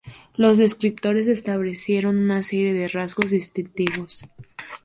Los descriptores establecieron una serie de rasgos distintivos.